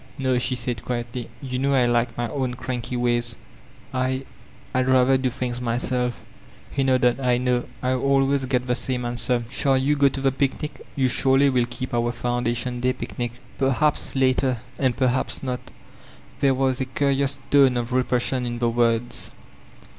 "No," she said quietly, "you know I like my own cranky ways. I — I'd rather do things myself." He nod ded: "I know. I always get the same answer. Shall you go to the picnic? You surely will keep our founda* tkxHday picnic?^ 462 VOLTAIftlNE DE ClEYSE "Perhaps — ^later. And perhaps not There curious tone of repression in the words.